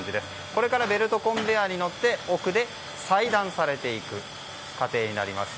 これからベルトコンベヤーに乗って奥で裁断されていく過程になります。